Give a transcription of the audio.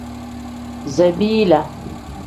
Zabiila.